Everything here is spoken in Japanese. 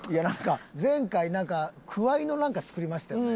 前回くわいのなんか作りましたよね。